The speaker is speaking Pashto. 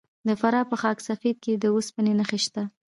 د فراه په خاک سفید کې د وسپنې نښې شته.